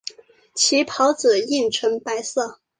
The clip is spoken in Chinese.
其孢子印呈白色。